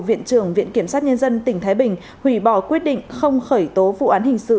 viện trưởng viện kiểm sát nhân dân tỉnh thái bình hủy bỏ quyết định không khởi tố vụ án hình sự